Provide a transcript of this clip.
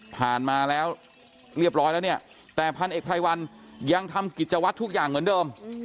มาแล้วเรียบร้อยแล้วเนี่ยแต่พันเอกไพรวันยังทำกิจวัตรทุกอย่างเหมือนเดิม